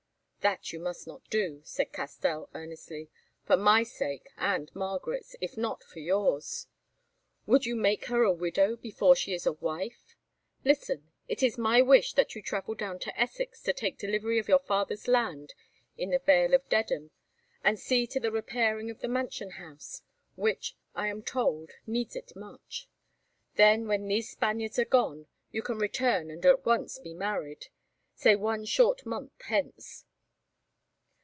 "That you must not do," said Castell earnestly, "for my sake and Margaret's, if not for yours. Would you make her a widow before she is a wife? Listen: it is my wish that you travel down to Essex to take delivery of your father's land in the Vale of Dedham and see to the repairing of the mansion house, which, I am told, needs it much. Then, when these Spaniards are gone, you can return and at once be married, say one short month hence."